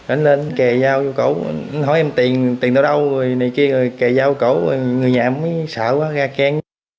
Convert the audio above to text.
anh lên kè giao cho cậu hỏi em tiền đâu đâu kè giao cho cậu người nhà mới sợ quá ra khen